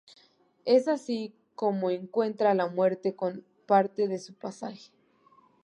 Es así como encuentra la muerte con parte de su pasaje.